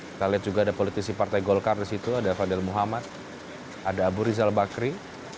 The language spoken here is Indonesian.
kita lihat juga ada politisi partai golkar di situ ada fadil muhammad ada abu rizal bakri